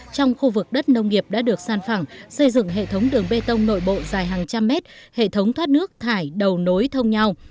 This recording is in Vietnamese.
trong khu vực đất nông nghiệp đã được san phẳng xây dựng hệ thống đường bê tông nội bộ dài hàng trăm mét hệ thống thoát nước thải đầu nối thông nhau